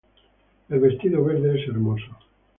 El vestido verde es hermoso.